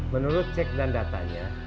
menurut cek dan datanya